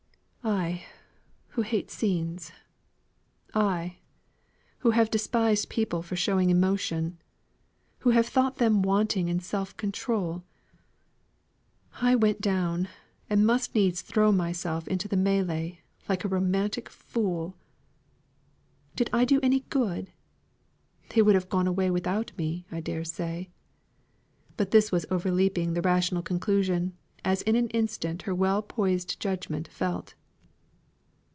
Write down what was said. "I, who hate scenes I, who have despised people for showing emotion who have thought them wanting in self control I went down and must needs throw myself into the melée, like a romantic fool! Did I do any good? They would have gone away without me, I dare say." But this was overleaping the rational conclusion, as in an instant her well poised judgment felt.